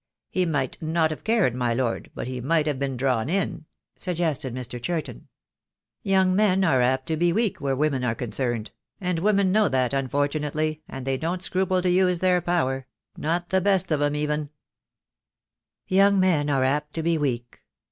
"He might not have cared, my Lord, but he might have been drawn in," suggested Mr. Churton. "Young men are apt to be weak where women are concerned; I I 8 THE DAY WILL COME. and women know that, unfortunately, and they don't scruple to use their power ; not the best of 'em even." Young men are apt to be weak.